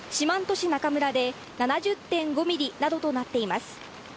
市中村で７０．５ｍｍなどとなっています。